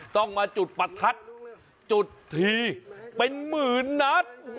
ต้องมาจุดประทัดจุดทีเป็นหมื่นนัด